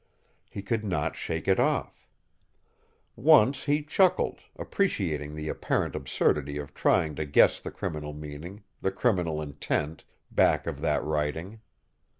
He could not shake it off. Once he chuckled, appreciating the apparent absurdity of trying to guess the criminal meaning, the criminal intent, back of that writing.